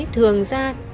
thường ra đường về nhà